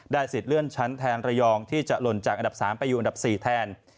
สิทธิเลื่อนชั้นแทนระยองที่จะหล่นจากอันดับ๓ไปอยู่อันดับ๔แทน